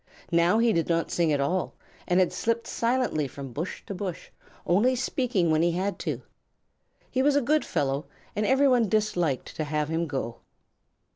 Now he did not sing at all, and slipped silently from bush to bush, only speaking when he had to. He was a good fellow and everyone disliked to have him go.